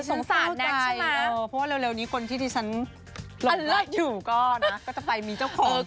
สงสัยแน่ใช่มั้ยเพราะว่าเร็วนี้คนที่ที่ฉันหลบรักอยู่ก็จะไปมีเจ้าพร้อม